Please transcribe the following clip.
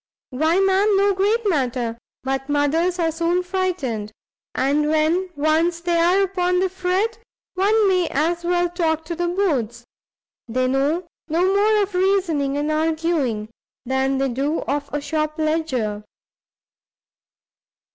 "Why, ma'am, no great matter, but mothers are soon frightened, and when once they are upon the fret, one may as well talk to the boards! they know no more of reasoning and arguing, than they do of a shop ledger!